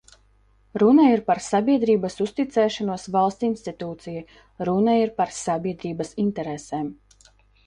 Runa ir par sabiedrības uzticēšanos valsts institūcijai, runa ir par sabiedrības interesēm!